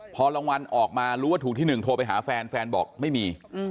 พอรางวัลออกมารู้ว่าถูกที่๑โทรไปหาแฟนแฟนบอกไม่มี